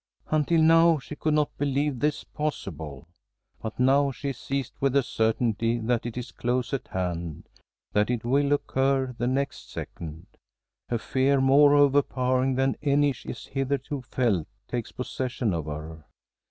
Until now, she could not believe this possible. But now she is seized with the certainty that it is close at hand that it will occur the next second. A fear more overpowering than any she has hitherto felt takes possession of her.